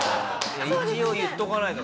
一応言っておかないと。